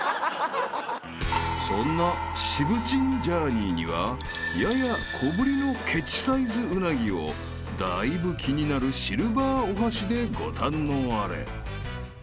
［そんな渋チンジャーニーにはやや小ぶりのケチサイズうなぎをだいぶ気になるシルバーお箸でご堪能あれ］